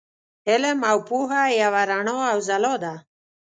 علم او پوهه یوه رڼا او ځلا ده.